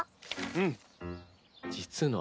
うん。